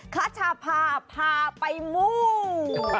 ขชาพาพาไปมุ่ง